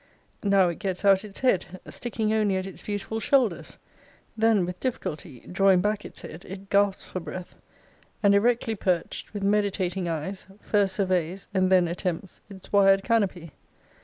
Now it gets out its head; sticking only at its beautiful shoulders: then, with difficulty, drawing back its head, it gasps for breath, and erectly perched, with meditating eyes, first surveys, and then attempts, its wired canopy.